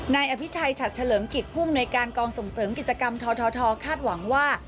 นายอภิชัยฉัดเฉลิมกิจภูมิหน่วยการกองส่งเสริมกิจกรรมททคาดหวังว่า